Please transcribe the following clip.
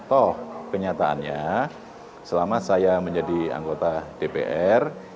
toh kenyataannya selama saya menjadi anggota dpr